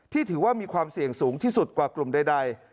ถือว่ามีความเสี่ยงสูงที่สุดกว่ากลุ่มใด